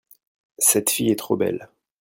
cette fille est trop belle.